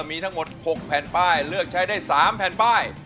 มีทั้งหมด๖แผ่นป้ายเลือกใช้ได้๓แผ่นป้าย